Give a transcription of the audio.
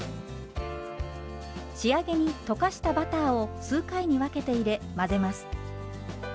仕上げに溶かしたバターを数回に分けて入れ混ぜます。